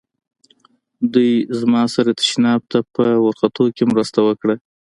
دوی له ما سره تشناب ته په ورختو کې مرسته وکړه.